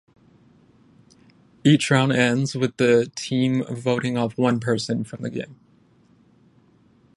Each round ends with the team voting off one person from the game.